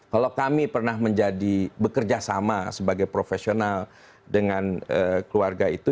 kalau kami pernah menjadi bekerja sama sebagai profesional dengan keluarga itu